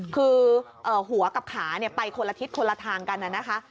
คือหัวกับขาไปคนละทิศคนละทางกันนะคะ